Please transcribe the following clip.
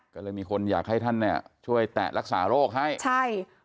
ก็เลยมีคนอยากให้ท่านช่วยแตะรักษาโรคให้